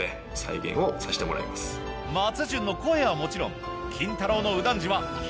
松潤の声はもちろん！